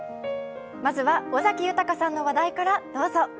まずは尾崎豊さんの話題からどうぞ。